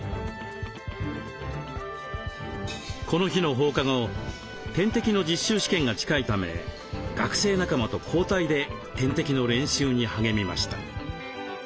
この日の放課後点滴の実習試験が近いため学生仲間と交代で点滴の練習に励みました。